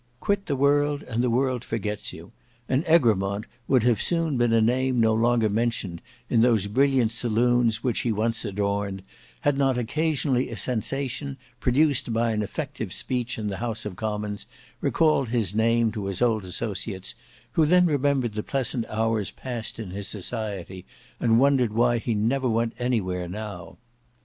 Quit the world and the world forgets you; and Egremont would have soon been a name no longer mentioned in those brilliant saloons which he once adorned, had not occasionally a sensation, produced by an effective speech in the House of Commons, recalled his name to his old associates, who then remembered the pleasant hours passed in his society and wondered why he never went anywhere now.